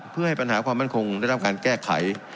เพื่อให้ปัญหาความมั่นคงได้รับการแก้ไข